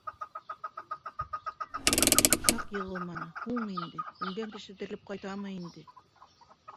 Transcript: Саҡ йығылманы, һуң инде, үлгән кеше терелеп ҡайтамы инде?